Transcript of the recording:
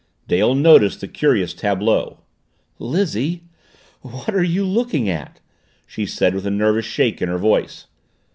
Dale noticed the curious tableau. "Lizzie what are you looking at?" she said with a nervous shake in her voice.